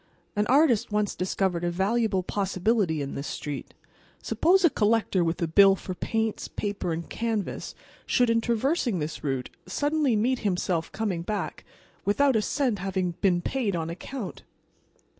An artist once discovered a valuable possibility in this street. Suppose a collector with a bill for paints, paper and canvas should, in traversing this route, suddenly meet himself coming back, without a cent having been paid on account!